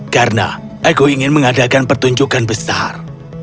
karena aku ingin mengadakan pertunjukan besar